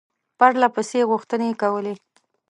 پرله پسې غوښتني کولې.